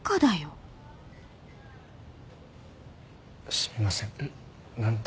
すみません何て？